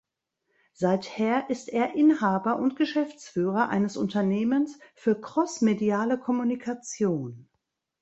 Seither ist er Inhaber und Geschäftsführer eines Unternehmens für crossmediale Kommunikation.